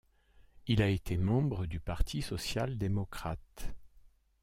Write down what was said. Il a été membre du Parti social-démocrate.